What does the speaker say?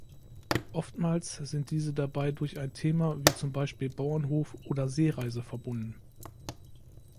Oftmals sind diese dabei durch ein Thema wie zum Beispiel „Bauernhof“ oder „Seereise“ verbunden.